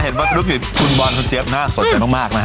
เห็นว่ารุ่มขึ้นของคุณบวรดและของเจฟน่าสดใจมาก